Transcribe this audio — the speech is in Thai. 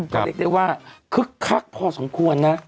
ก็เรียกได้ว่าคึกคักพอสมควรนะ